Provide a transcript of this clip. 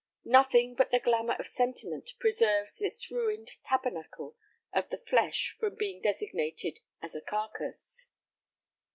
Nothing but the glamour of sentiment preserves this ruined tabernacle of the flesh from being designated as a "carcass."